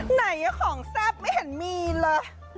ไหนอ่ะของแซ่บไม่เห็นมีล่ะ